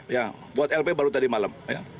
ya buat lp baru tadi malam